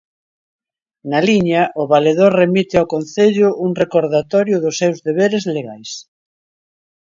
Na liña, o Valedor remite ao Concello "un recordatorio dos seus deberes legais".